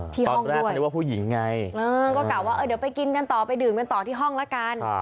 ที่ห้องด้วยเออก็กลับว่าเดี๋ยวไปกินกันต่อไปดื่มกันต่อที่ห้องละกัน